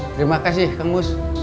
terima kasih kang bus